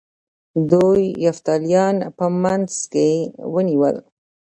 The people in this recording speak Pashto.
دوی یفتلیان په منځ کې ونیول